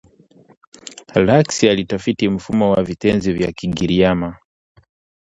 Lax alitafiti mfumo wa vitenzi vya Kigiriama